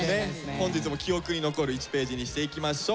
本日も記憶に残る１ページにしていきましょう。